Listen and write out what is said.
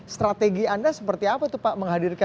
strategi anda seperti apa tuh pak menghadirkan